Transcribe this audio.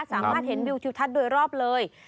สามารถเห็นวิวทิวทัศน์โดยรอบเลย